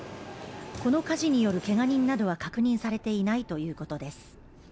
この火事によるけが人などは確認されていないということです